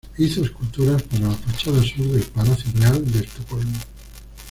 Hizo esculturas para la fachada sur del Palacio Real de Estocolmo.